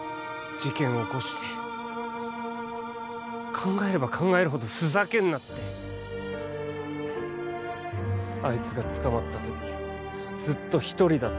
事件起こして考えれば考えるほど「ふざけんな」ってあいつが捕まった時「ずっと一人だった」